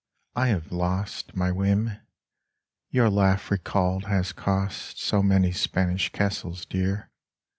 I have lost My whim. Your laugh recalled has cost So many Spanish castles, dear